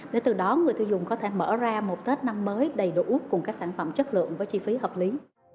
để từ đó người tiêu dùng có thể mở ra một tết năm mới đầy đủ cùng các sản phẩm chất lượng với chi phí hợp lý